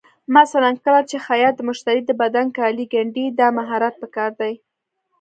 مثلا کله چې خیاط د مشتري د بدن کالي ګنډي، دا مهارت پکار دی.